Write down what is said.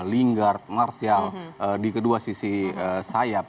lingard martial di kedua sisi sayap